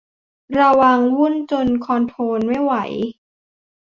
ระวังวุ่นจนคอนโทรลไม่ไหว